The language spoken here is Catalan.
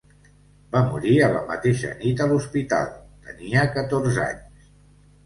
Va morir a la mateixa nit a l'hospital, tenia catorze anys.